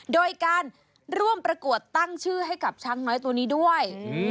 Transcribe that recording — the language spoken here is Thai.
โดยการร่วมประกวดตั้งชื่อให้กับช้างน้อยตัวนี้ด้วย